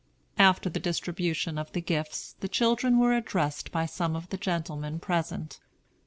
After the distribution of the gifts, the children were addressed by some of the gentlemen present.